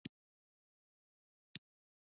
د چین بازار ته جلغوزي څنګه واستوم؟